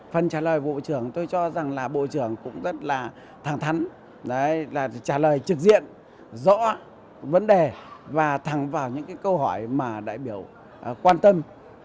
phần trả lời bộ trưởng tôi cho rằng là bộ trưởng cũng rất là thẳng thắn trả lời trực diện rõ vấn đề và thẳng vào những câu hỏi mà đại biểu quan tâm